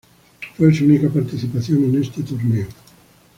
Fue su única participación en este torneo.